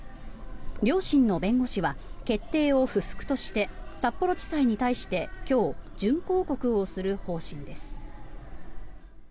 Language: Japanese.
両親の弁護士は決定を不服として札幌地裁に対して今日、準抗告をする方針です。